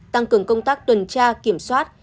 tăng cường công tác tuần tra kiểm soát